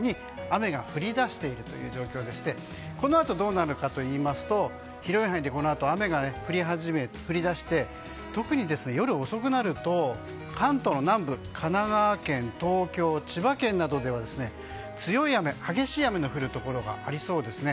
現在の雨の状況を見てみますとすでに関東地方の南部を中心に雨が降り出しているという状況でしてこのあとどうなるかといいますと広い範囲でこのあと雨が降り出して、特に夜遅くなると関東の南部、神奈川県、東京千葉県などでは強い雨、激しい雨の降るところがありそうです。